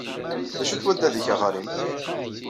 D acu-t waddad-nnek aɣarim?